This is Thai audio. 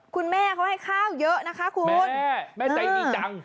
คุณแม่เขาให้ข้าวเยอะนะคะคุณแม่แม่ใจดีจัง